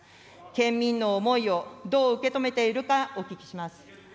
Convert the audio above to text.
県民の思いをどう受け止めているか、お聞きします。